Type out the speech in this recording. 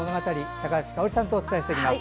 高橋香央里さんとお伝えしていきます。